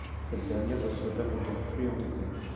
Cette dernière reçoit d'abondantes pluies en été.